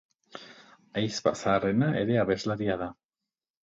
Ahizpa zaharrena ere abeslaria da.